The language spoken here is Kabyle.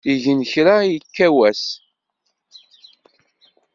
Igen kra ikka wass.